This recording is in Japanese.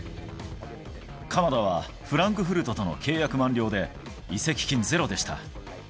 鎌田は、フランクフルトとの契約満了で、移籍金ゼロでした。